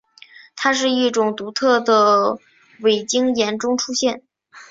它在一种独特的伟晶岩中出现。